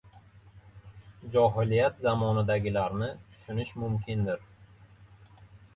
Johiliyat zamonidagilarni tushunish mumkindir.